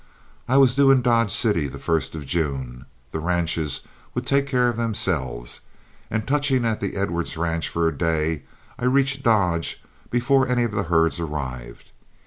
I was due in Dodge City the first of June, the ranches would take care of themselves, and touching at the Edwards ranch for a day, I reached "Dodge" before any of the herds arrived.